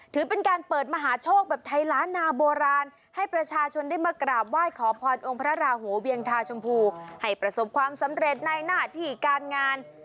ถือเป็นการเปิดมหาโชคแบบไทยล้านนาโบราณให้ประชาชนได้มากราบไหว้ขอพรองค์พระราหูเวียงทาชมพูให้ประสบความสำเร็จในหน้าที่การงาน